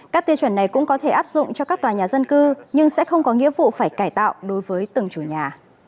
các tiêu chuẩn này cũng có thể áp dụng cho các tòa nhà dân cư nhưng sẽ không có nghĩa vụ phải cải tạo đối với từng chủ nhà